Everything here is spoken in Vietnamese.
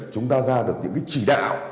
chúng ta ra được những cái chỉ đạo